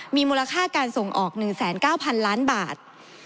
มีมูลค่าการส่งออก๑๙๐๐๐ล้านบาท